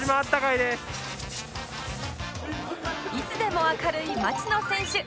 いつでも明るい町野選手